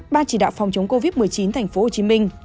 ban chỉ đạo phòng chống covid một mươi chín thành phố hồ chí minh